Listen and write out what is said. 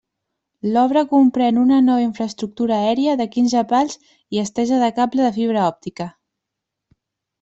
L'obra comprèn una nova infraestructura aèria de quinze pals i estesa de cable de fibra òptica.